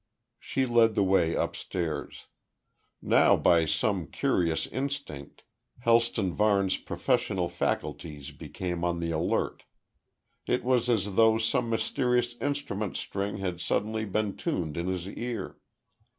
She led the way upstairs. Now by some curious instinct, Helston Varne's professional faculties became on the alert. It was as though some mysterious instrument string had suddenly been tuned in his ear.